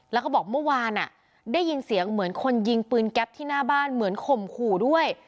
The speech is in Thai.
แล้วก็บอกเมื่อวานได้ยินเสียงเหมือนคนยิงปืนแก๊ปที่หน้าบ้านเหมือนข่มขู่ด้วย